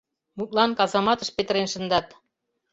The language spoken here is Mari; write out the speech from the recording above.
— Мутлан, казаматыш петырен шындат...